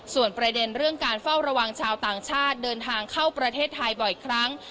ส่วนประเด็นเรื่องการเฝ้าระวังชาวต่างชาติเดินทางเข้าประเทศไทยบ่อยครั้ง